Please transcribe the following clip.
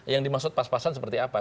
yang dimaksud pas pasan seperti apa